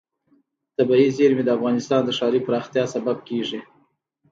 طبیعي زیرمې د افغانستان د ښاري پراختیا سبب کېږي.